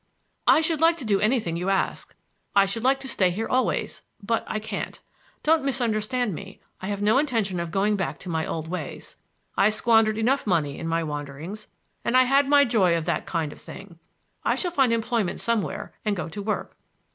"I should like to do anything you ask; I should like to stay here always, but I can't. Don't misunderstand me. I have no intention of going back to my old ways. I squandered enough money in my wanderings, and I had my joy of that kind of thing. I shall find employment somewhere and go to work."